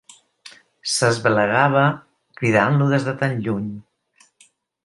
S'esbelegava cridant-lo des de tan lluny.